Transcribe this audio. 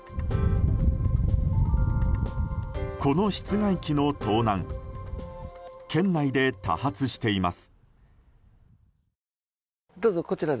この室外機の盗難県内で多発しています。